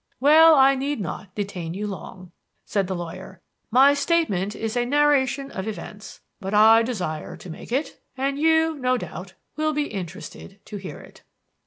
"Well, I need not detain you long," said the lawyer. "My statement is a narration of events. But I desire to make it, and you, no doubt, will be interested to hear it."